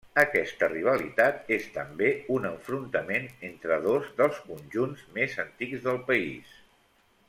Aquesta rivalitat és també un enfrontament entre dos dels conjunts més antics del país.